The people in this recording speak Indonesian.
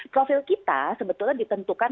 profil kita sebetulnya ditentukan